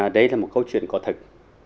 đấy là một câu chuyện có thực